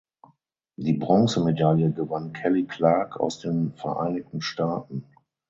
Die Bronzemedaille gewann Kelly Clark aus den Vereinigten Staaten.